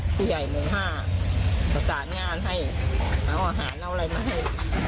ผู้ใหญ่โมงห้าสร้างงานให้เอาอาหารเอาอะไรมาให้